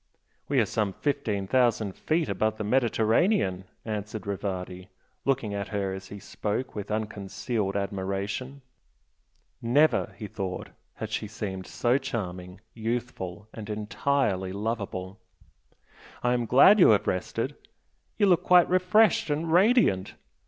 "We are some fifteen thousand feet above the Mediterranean" answered Rivardi, looking at her as he spoke with unconcealed admiration; never, he thought, had she seemed so charming, youthful and entirely lovable "I am glad you have rested you look quite refreshed and radiant.